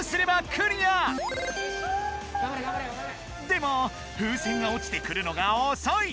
でも風船がおちてくるのがおそい！